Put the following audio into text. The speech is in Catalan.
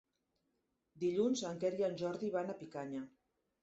Dilluns en Quer i en Jordi van a Picanya.